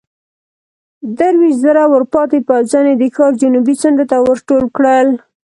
درويشت زره ورپاتې پوځيان يې د ښار جنوبي څنډو ته ورټول کړل.